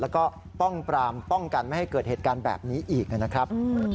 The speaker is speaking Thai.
แล้วก็ป้องปรามป้องกันไม่ให้เกิดเหตุการณ์แบบนี้อีกนะครับ